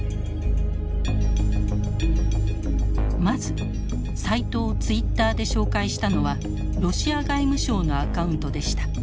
まずサイトをツイッターで紹介したのはロシア外務省のアカウントでした。